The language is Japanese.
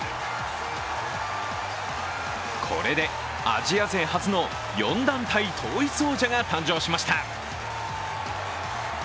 これでアジア勢初の４団体統一王者が誕生しました。